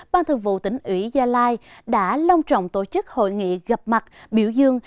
ban thường vụ tỉnh ủy gia lai đã long trọng tổ chức hội nghị gặp mặt biểu dương